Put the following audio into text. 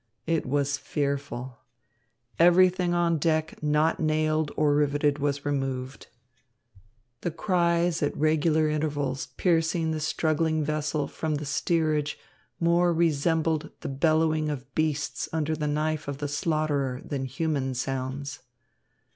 It was fearful. Everything on deck not nailed or riveted was removed. The cries at regular intervals piercing the struggling vessel from the steerage more resembled the bellowing of beasts under the knife of the slaughterer than human sounds.